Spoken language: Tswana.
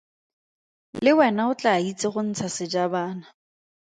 Le wena o tlaa itse go ntsha sejabana.